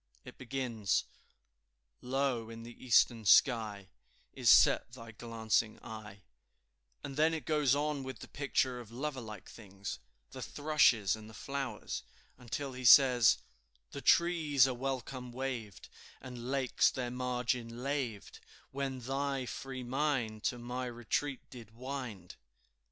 It begins, "Low in the eastern sky Is set thy glancing eye," and then it goes on with the picture of lover like things, the thrushes and the flowers, until, he says, "The trees a welcome waved, And lakes their margin laved, When thy free mind To my retreat did wind."